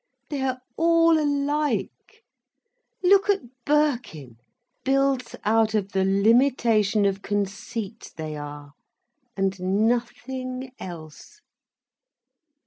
"They are all alike. Look at Birkin. Built out of the limitation of conceit they are, and nothing else.